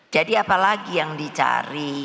jadi apalagi yang dicari